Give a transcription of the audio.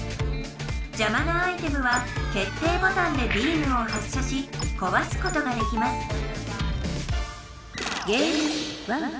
じゃまなアイテムは決定ボタンでビームを発射しこわすことができます